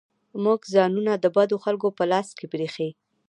موږ ځانونه د بدو خلکو په لاس کې پرېښي.